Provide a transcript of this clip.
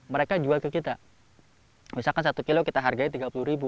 mereka jual ke kita misalkan satu kilo kita hargai rp tiga puluh ribu